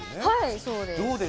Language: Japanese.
そうです。